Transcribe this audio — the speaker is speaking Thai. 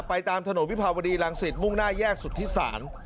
ตามถนนวิภาวดีรังสิตมุ่งหน้าแยกสุธิศาล